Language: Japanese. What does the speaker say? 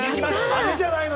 あれじゃないの？